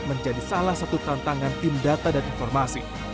menjadi salah satu tantangan tim data dan informasi